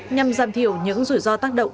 nhằm giảm thiểu những rủi ro tác động